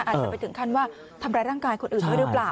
อาจจะไปถึงขั้นว่าทำร้ายร่างกายคนอื่นด้วยหรือเปล่า